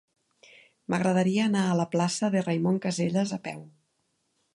M'agradaria anar a la plaça de Raimon Casellas a peu.